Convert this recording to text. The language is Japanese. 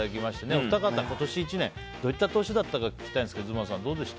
お二方今年１年、どういった年だったか聞きたいんですがずまさん、どうでした？